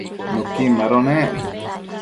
nuquin mado nec